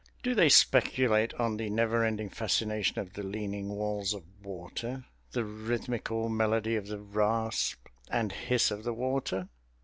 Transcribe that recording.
Do they speculate on the never ending fascination of the leaning walls of water, the rhythmical melody of the rasp and hiss of the water?